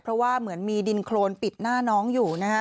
เพราะว่าเหมือนมีดินโครนปิดหน้าน้องอยู่นะฮะ